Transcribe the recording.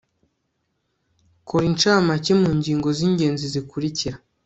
kora incamake mu ngingo z'ingenzi zikurikira